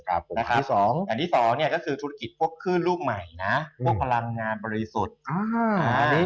อันที่๒ก็คือธุรกิจพวกขึ้นรูปใหม่นะพวกพลังงานบริสุทธิ์